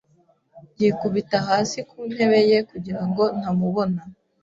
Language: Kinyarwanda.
Yikubita hasi ku ntebe ye kugira ngo ntamubona.